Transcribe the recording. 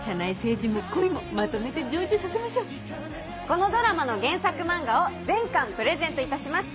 このドラマの原作漫画を全巻プレゼントいたします。